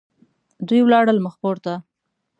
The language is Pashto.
دوی ولاړل مخ پورته.